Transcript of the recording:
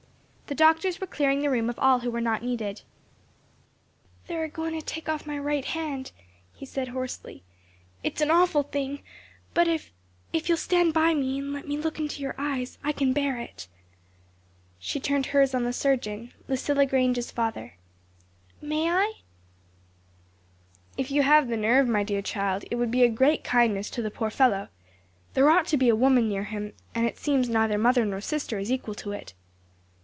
The doctors were clearing the room of all who were not needed. "They're a goin' to take off my right hand," he said hoarsely. "It's an awful thing, but if if you'll stand by me and let me look in your eyes, I can bear it." She turned hers on the surgeon Lucilla Grange's father. "May I?" "If you have the nerve, my dear child; it would be a great kindness to the poor fellow. There ought to be a woman near him, and it seems neither mother nor sister is equal to it."